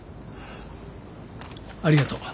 ありがとう。